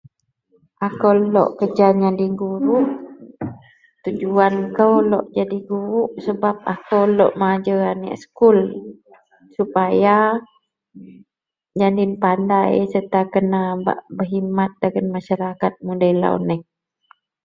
akou lok kerja nyadin guruk, tujuan kou lok jadi guruk sebab akou lok majer aneak sekul supaya nyadin pandai serta kena berkhidmat bak dagen masyarakat mudei lau neh